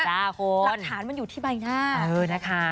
หลักฐานมันอยู่ที่ใบหน้านะคะ